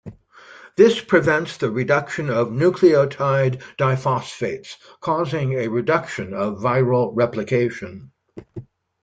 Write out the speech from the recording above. This prevents the reduction of nucleotide diphosphates, causing a reduction of viral replication.